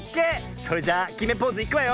それじゃあきめポーズいくわよ。